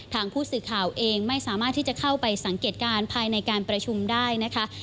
ทางผู้สื่อข่าวเองไม่สามารถที่จะเข้าไปสังเกตการณ์ภายในการประชุมได้นะคะ